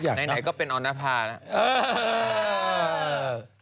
ในไหนก็เป็นออนธภานะ